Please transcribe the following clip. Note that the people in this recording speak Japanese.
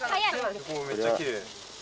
めっちゃきれい！